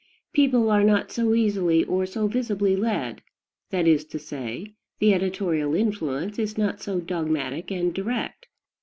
People are not so easily or so visibly led; that is to say, the editorial influence is not so dogmatic and direct.